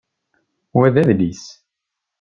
Wa d adlis.